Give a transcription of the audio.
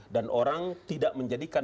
dan orang tidak menjadikan